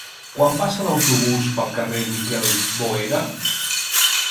Quan passa l'autobús pel carrer Miquel Boera?